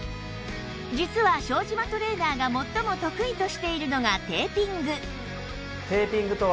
実は庄島トレーナーが最も得意としているのがテーピング